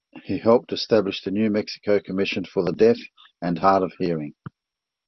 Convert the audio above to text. He helped establish the New Mexico Commission for the Deaf and Hard of Hearing.